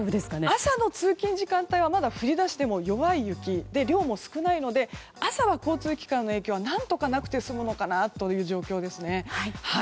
朝の通勤時間帯は降り出しても弱い雪で量も少ないので朝は交通機関の影響は何とかなくて済む状況ですね。